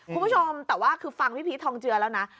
คุณผู้ชมแต่ว่าคือฟังพี่พีชทองเจือแล้วนะ